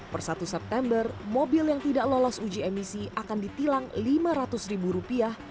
per satu september mobil yang tidak lolos uji emisi akan ditilang lima ratus ribu rupiah